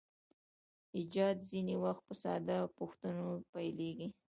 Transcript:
ایجاد ځینې وخت په ساده پوښتنو پیلیږي.